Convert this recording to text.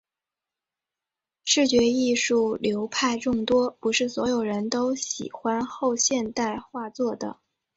视觉艺术流派众多，不是所有人都喜欢后现代画作的。